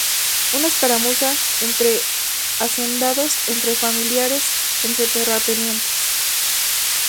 Una escaramuza entre hacendados, entre familiares, entre terratenientes.